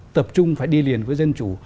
tập trung phải đi liền với dân chủ